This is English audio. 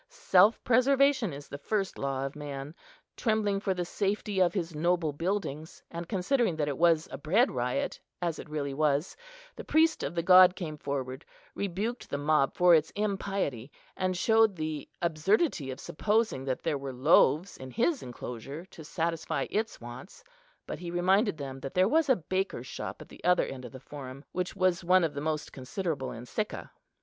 Self preservation is the first law of man; trembling for the safety of his noble buildings, and considering that it was a bread riot, as it really was, the priest of the god came forward, rebuked the mob for its impiety, and showed the absurdity of supposing that there were loaves in his enclosure to satisfy its wants; but he reminded them that there was a baker's shop at the other end of the Forum, which was one of the most considerable in Sicca.